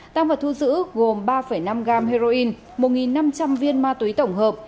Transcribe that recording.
tăng vật thu giữ gồm ba năm gram heroin một năm trăm linh viên ma túy tổng hợp